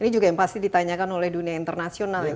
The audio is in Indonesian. ini juga yang pasti ditanyakan oleh dunia internasional